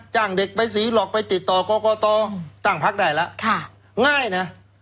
จ้างเด็กไปสีหลอกไปติดต่อก็ก็ต่อตั้งพักได้ล่ะค่ะง่ายน่ะ